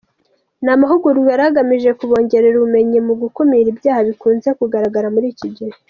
Ni amahugurwa yari agamije kubongerera ubumenyi mu gukumira ibyaha bikunze kugaragara muri iki gihe.